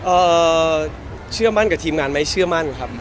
เอ่อเชื่อมั่นกับทีมงานไมด้วยสิครับ